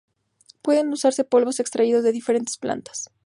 Pueden usarse polvos extraídos de diferentes plantas.